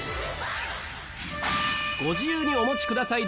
ご自由にお持ちください